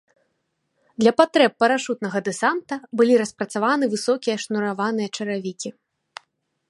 Для патрэб парашутнага дэсанта былі распрацаваны высокія шнураваныя чаравікі.